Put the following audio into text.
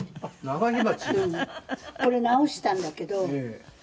これ直したんだけど」